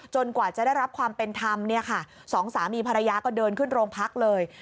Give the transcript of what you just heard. กว่าจะได้รับความเป็นธรรมเนี่ยค่ะสองสามีภรรยาก็เดินขึ้นโรงพักเลย